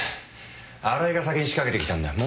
荒井が先に仕掛けてきたんだよ